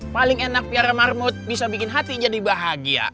paling enak piara marmut bisa bikin hati jadi bahagia